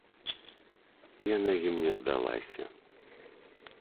Яна ім не здалася.